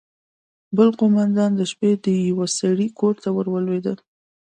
بل قومندان د شپې د يوه سړي کور ته ورولوېد.